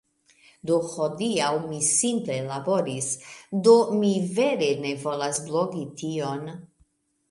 Do hodiaŭ, mi simple laboris, Do mi vere ne volas blogi tion...